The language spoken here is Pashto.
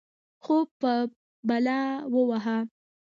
خوب په بلا ووهه.